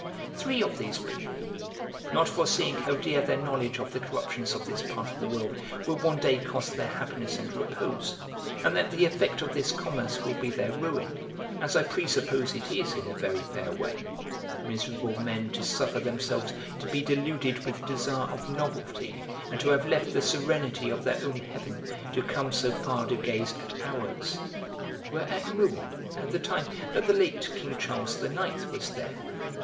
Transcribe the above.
Three of these people, not foreseeing how dear their knowledge of the corruptions of this part of the world will one day cost their happiness and repose, and that the effect of this commerce will be their ruin, as I presuppose it is in a very fair way (miserable men to suffer themselves to be deluded with desire of novelty and to have left the serenity of their own heaven to come so far to gaze at ours!), were at Rouen at the time that the late King Charles IX. was there.